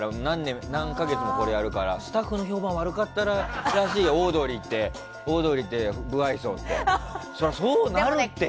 何か月もこれやるからスタッフの評判悪かったらしいよオードリーって不愛想って。